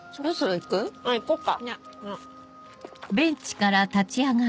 行こっか。